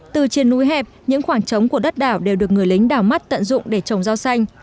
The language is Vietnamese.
từ trên núi hẹp những khoảng trống của đất đảo đều được người lính đảo mắt tận dụng để trồng rau xanh